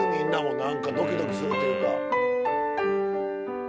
何かドキドキするというか。